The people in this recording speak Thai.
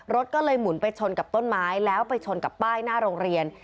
รถก็เลยหมุนไปชนกับต้นไม้แล้วไปชนกับป้ายหน้าโรงเรียน